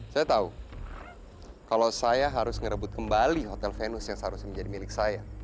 saya tahu kalau saya harus ngerebut kembali hotel venus yang seharusnya menjadi milik saya